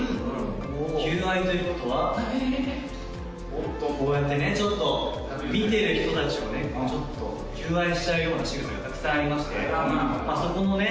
求愛ということはこうやってねちょっと見てる人達をねちょっと求愛しちゃうようなしぐさがたくさんありましてそこもね